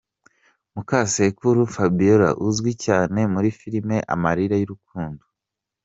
Mukasekuru Fabiola uzwi cyane muri filime 'Amarira y'urukundo'.